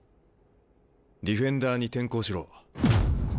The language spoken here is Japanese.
ディフェンダーに転向しろ。